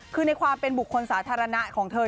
คือในความเป็นบุคคลสาธารณะของเธอ